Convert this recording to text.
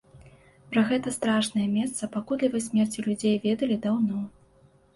Пра гэтае страшнае месца пакутлівай смерці людзей ведалі даўно.